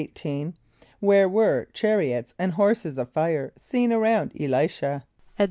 = Where were chariots and horses of fire seen around [+E] l[=i]´sh[.a]?